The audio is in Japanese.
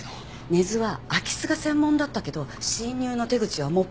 根津は空き巣が専門だったけど侵入の手口は専ら焼き破り。